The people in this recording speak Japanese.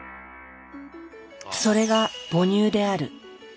それが「母乳」である。